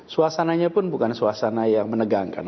suasananya pun bukan suasana yang menegangkan